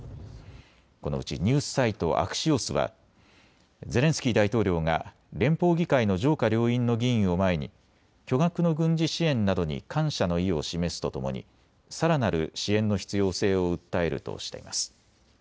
このうちニュースサイト、アクシオスはゼレンスキー大統領が連邦議会の上下両院の議員を前に巨額の軍事支援などに感謝の意を示すとともに、さらなる支援の必要性を訴えるとしています。